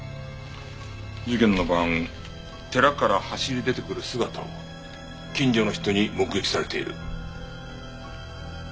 事件の晩寺から走り出てくる姿を近所の人に目撃されている。